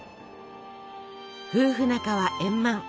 夫婦仲は円満。